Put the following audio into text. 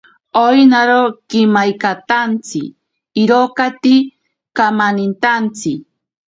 Owinaro tsimainkatantsi irotaki kamanintantsi.